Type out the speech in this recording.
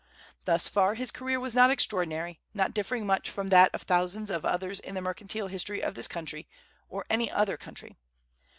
Thus far his career was not extraordinary, not differing much from that of thousands of others in the mercantile history of this country, or any other country.